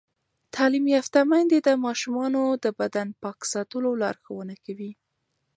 تعلیم یافته میندې د ماشومانو د بدن پاک ساتلو لارښوونه کوي.